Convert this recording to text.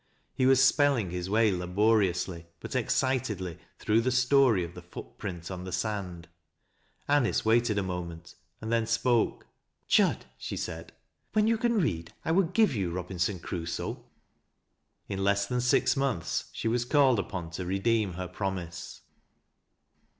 He was spelling his way laboriously, but ex citedly, through the story of the foot print on the sand. Anice waited a moment, and then spoke : "Jud," she said, " when you can read 1 will give yon ' Robinson Crusoe.' " In less than six months she was called upon to redeem iier promise.